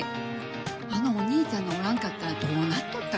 あのお兄ちゃんがおらんかったらどうなっとったか。